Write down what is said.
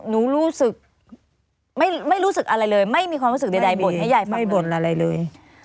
รู้สึกไม่รู้สึกอะไรเลยไม่มีความรู้สึกใดบ่นให้ยายฟังบ่นอะไรเลย